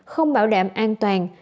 không bảo đảm an toàn